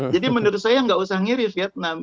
jadi menurut saya tidak usah mengiru vietnam